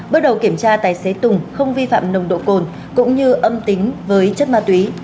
bước đầu kiểm tra tài xế tùng không vi phạm nồng độ cồn cũng như âm tính với chất ma túy